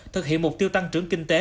thực hiện mục tiêu tăng trưởng kinh tế